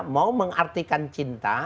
mau mengartikan cinta